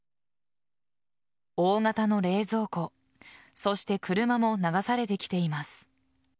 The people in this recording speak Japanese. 大型の冷蔵庫そして車も流されてきています。